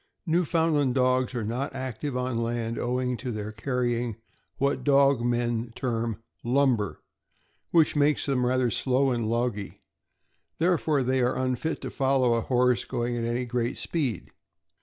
Newfoundland dogs are not active on land, owing to their carrying what dog men term lumber, which makes them rather slow and logy; therefore they are unfit to follow a horse going at any great rate of speed.